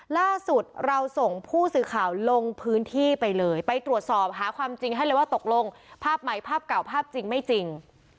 ล่าสุดเราส่งผู้สื่อข่าวลงพื้นที่ไปเลยไปตรวจสอบหาความจริงให้เลยว่าตกลงภาพใหม่ภาพเก่าภาพจริงไม่จริง